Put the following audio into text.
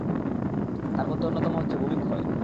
তার মধ্যে অন্যতম হচ্ছে ভূমিক্ষয়।